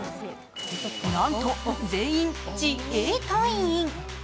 なんと、全員自衛隊員。